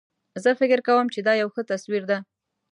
زه فکر کوم چې دا یو ښه تصویر ده